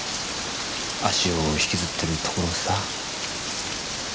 足を引きずってるところをさ。